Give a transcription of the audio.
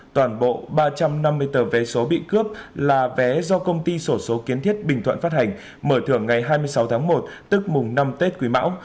toàn bộ ba trăm năm mươi tờ vé số bị cướp là vé do công ty sổ số kiến thiết bình thuận phát hành mở thưởng ngày hai mươi sáu tháng một tức mùng năm tết quý mão